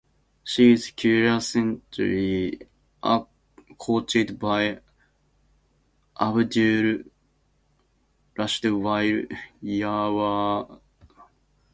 She is currently coached by Abdul Rasheed while Yawar Islam had coached her earlier.